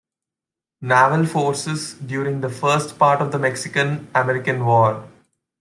Naval forces during the first part of the Mexican-American War.